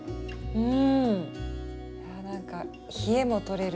うん。